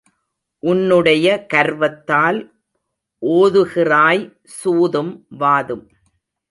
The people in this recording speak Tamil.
உன்னுடைய கர்வத்தால் ஓதுகிறாய் சூதும் வாதும்.